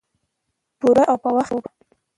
پوره او پۀ وخت خوب